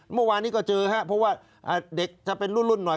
เมื่อวานนี้ก็เจอครับเพราะว่าเด็กจะเป็นรุ่นหน่อย